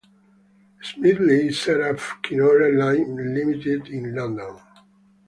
Smedley set up Kinora Limited in London.